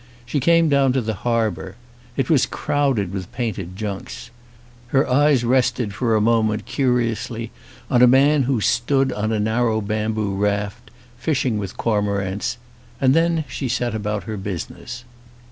She came down to the harbour; it was crowded with painted junks ; her eyes rested for a moment curiously on a man who stood on a narrow bamboo raft, fishing with cormorants; and then she set about her business.